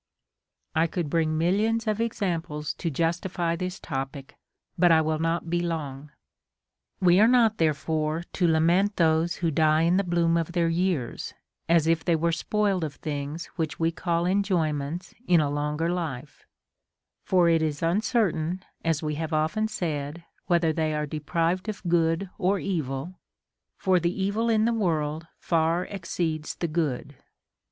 I could bring millions of examples to justify this topic, but I will not be long. 28. We are not therefore to lament those who die in the bloom of their years, as if they were spoiled of things Avhich we call enjoyments in a longer life ; for it is uncer tain, as we have often said, Avhether they are deprived of good or evil, for the evil in the world far exceeds the good.